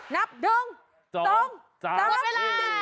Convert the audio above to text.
นับ๑๒๓นับแล้ว